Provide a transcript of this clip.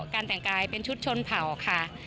การแต่งกายเป็นชุดชนเผ่าค่ะ